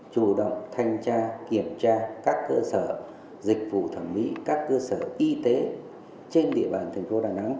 chủ động thanh tra kiểm tra các cơ sở dịch vụ thẩm mỹ các cơ sở y tế trên địa bàn thành phố đà nẵng